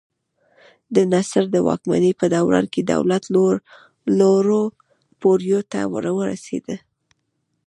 د نصر د واکمنۍ په دوران کې دولت لوړو پوړیو ته ورسېد.